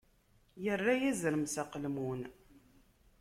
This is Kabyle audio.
Irra-yi azrem s aqelmun.